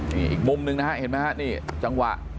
นี่อีกมุมหนึ่งนะฮะเห็นไหมฮะนี่จังหวะ